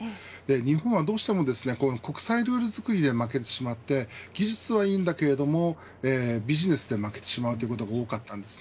日本はどうしても国際ルール作りでは負けてしまって技術はいいんだけれどビジネスで負けてしまうことが多かったんです。